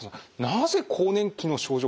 なぜ更年期の症状